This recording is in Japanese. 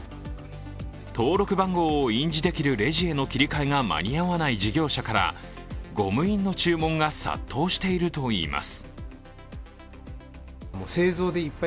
登録番号を印字できるレジへの切り替えが間に合わない事業者からゴム印の注文が殺到しているといいます。